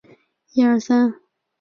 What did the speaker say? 然后逐渐发育成熟。